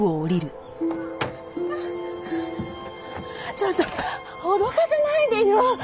ちょっと脅かさないでよ。